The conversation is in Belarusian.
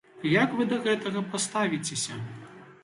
І як вы да гэтага паставіцеся?